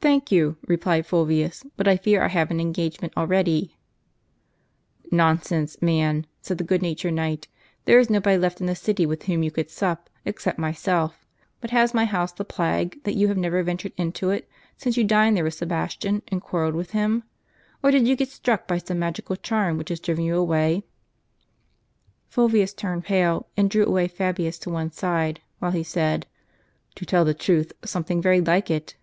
" Thank you," replied Fulvius ;" but I fear I have an engagement already." " Nonsense, man," said the good natured knight ;" there is nobody left in the city with whom you could sup, except myself. But has my house the plague, that you have never ventured into it, since you dined there with Sebastian, and quarrelled with him ? Or did you get struck by some magical charm, which has driven you away ?" Fulvius turned pale, and drew away Fabius to one side, while he said: "To tell the truth, something very like it."